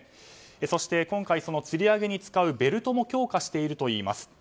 そして、今回つり上げに使うベルトも強化しているといいます。